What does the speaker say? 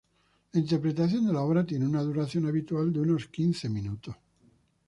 La interpretación de la obra tiene una duración habitual de unos quince minutos.